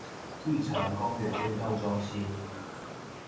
玉成公園運動中心